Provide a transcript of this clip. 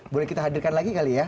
boleh kita hadirkan lagi kali ya